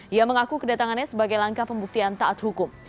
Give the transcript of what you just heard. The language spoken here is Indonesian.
ia mengaku kedatangannya sebagai langkah pembuktian taat hukum